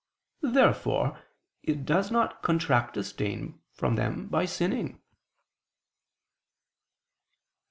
Therefore it does not contract a stain from them by sinning. Obj.